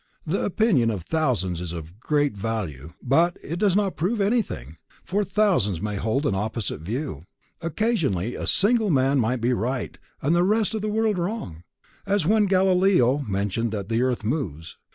The opinion of thousands is of great value, but it does not prove anything, for thousands may hold an opposite view; occasionally a single man may be right and the rest of the world wrong, as when Galileo maintained that the earth moves.